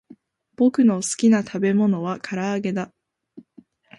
ぼくのすきなたべものはからあげだ